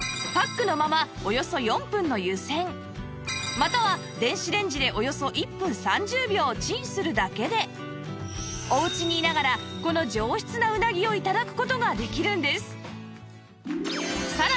または電子レンジでおよそ１分３０秒チンするだけでお家にいながらこの上質なうなぎを頂く事ができるんです！